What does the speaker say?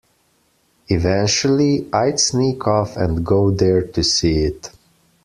Eventually, I'd sneak off and go there to see it.